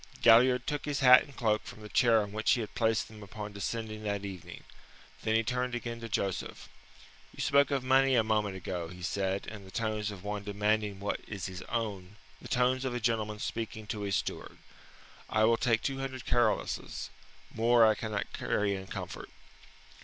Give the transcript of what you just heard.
Galliard took his hat and cloak from the chair on which he had placed them upon descending that evening. Then he turned again to Joseph. "You spoke of money a moment ago," he said, in the tones of one demanding what is his own the tones of a gentleman speaking to his steward. "I will take two hundred Caroluses. More I cannot carry in comfort."